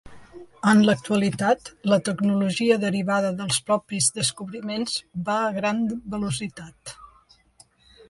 En l’actualitat la tecnologia derivada dels propis descobriments va a gran velocitat.